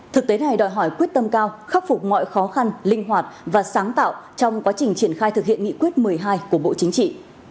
thực tế này đòi hỏi quyết tâm cao khắc phục mọi khó khăn linh hoạt và sáng tạo trong quá trình triển khai thực hiện nghị quyết một mươi hai của bộ chính trị